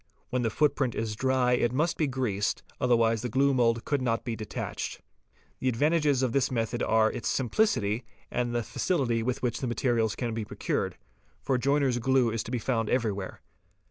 When the footprint is dry it must be greased, otherwise the glue mould could not be detatched. The advantages of this method are its simplicity and the facility with which the materials can be procured, for joiner's glue is to be found everywhere.